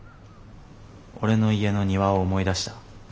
俺の家の庭を思い出した。